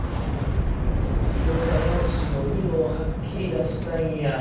色画用紙の色をはっきり出したいんや。